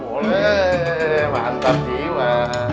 boleh mantap jiwa